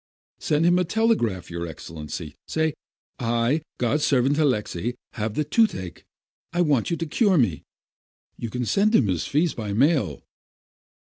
SSfcd him a telegram, your Excellency, say: 'I, God's servant Alexei, have the toothache. I want you to cure me. 9 You can send him his fee by mail."